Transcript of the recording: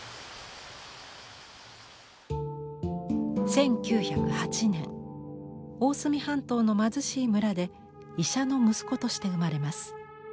１９０８年大隅半島の貧しい村で医者の息子として生まれます。